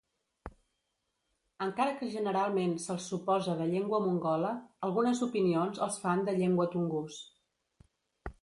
Encara que generalment se'ls suposa de llengua mongola, algunes opinions els fan de llengua tungús.